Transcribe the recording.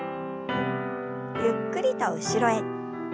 ゆっくりと後ろへ。